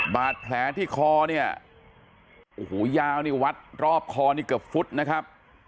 บาดแผลที่คอเนี่ยโอ้โหยาวนี่วัดรอบคอนี่เกือบฟุตนะครับ